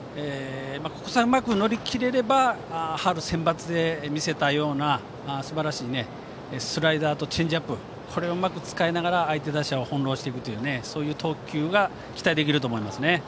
ここさえ、うまく乗り切れれば春のセンバツで見せたようなすばらしいスライダーとチェンジアップこれをうまく使いながら相手打者を翻弄するというそういう投球が期待できると思いますね。